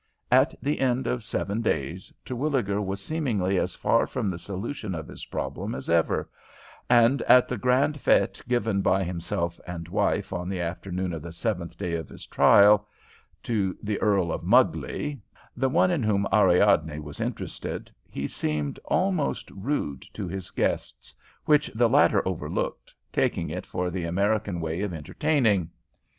At the end of seven days Terwilliger was seemingly as far from the solution of his problem as ever, and at the grand fete given by himself and wife on the afternoon of the seventh day of his trial, to the Earl of Mugley, the one in whom Ariadne was interested, he seemed almost rude to his guests, which the latter overlooked, taking it for the American way of entertaining.